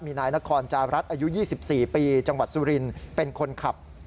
มีนายนครจารัสอายุ๒๔ปีจังหวัดสุรินเป็นคนขับ